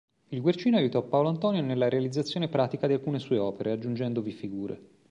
Il Guercino aiutò Paolo Antonio nella realizzazione pratica di alcune sue opere, aggiungendovi figure.